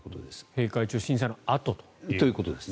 閉会中審査のあとと。